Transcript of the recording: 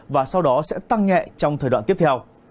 và sau đó sẽ tăng nhẹ trong thời đoạn tiếp theo